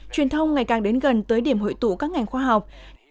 truyền thông ngày càng đến gần tới điểm hội tụ các ngành khoa học